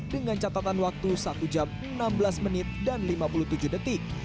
dengan catatan waktu satu jam enam belas menit dan lima puluh tujuh detik